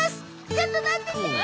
ちょっと待っててー！